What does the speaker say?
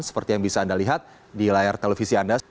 seperti yang bisa anda lihat di layar televisi anda